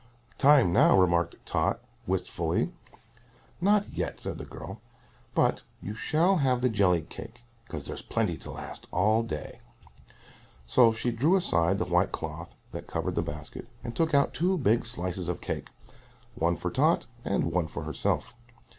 "Time now," remarked Tot, wistfully. "Not yet," said the girl, "but you shall have the jelly cake, 'cause there's plenty to last all day." So she drew aside the white cloth that covered the basket and took out two big slices of cake, one for Tot and one for herself.